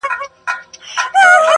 پر پاتا یې نصیب ژاړي په سرو سترګو٫